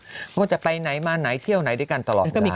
ทุกคนจะไปไหนมาไหนเที่ยวไหนด้วยกันตลอดเวลาใช่ไหม